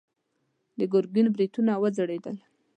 د ګرګين برېتونه وځړېدل.